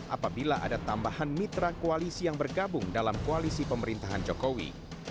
apabila ada tambahan mitra koalisi yang bergabung dalam koalisi pemerintahan jokowi